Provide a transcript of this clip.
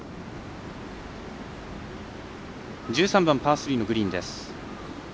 １３番、パー３のグリーンです。